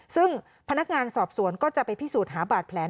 ซึ่งพนักงานสอบสวนก็จะไปพิสูจน์หาบาดแผล